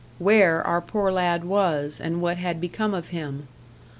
where our poor lad was, and what had become of him.